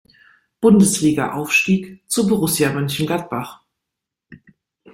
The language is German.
Bundesliga aufstieg, zu Borussia Mönchengladbach.